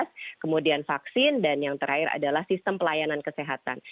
karena keberhasilan tersebut itu adalah keberhasilan yang terakhir itu adalah sistem pelayanan kesehatan